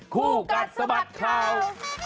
คู่กัดสะบัดข่าว